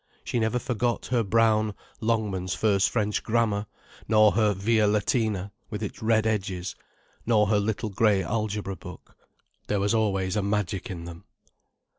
She never forgot her brown "Longman's First French Grammar", nor her "Via Latina" with its red edges, nor her little grey Algebra book. There was always a magic in them.